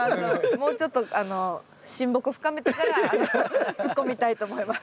もうちょっと親睦深めてからつっこみたいと思います。